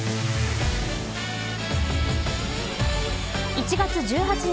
１月１８日